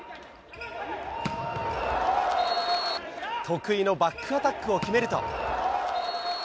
得意のバックアタックを決めると。